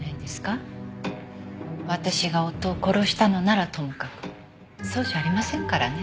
私が夫を殺したのならともかくそうじゃありませんからね。